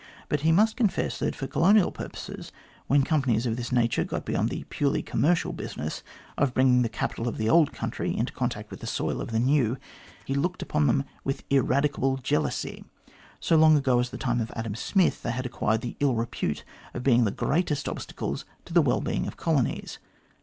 But he must confess that for colonial purposes, when companies of this nature got beyond the purely commercial business of bringing the capital of the old country into contact with the soil of the new, he looked upon them with ineradicable jealousy. So long ago as the time of Adam Smith, they had acquired the ill repute of being the greatest obstacles to the well being of colonies.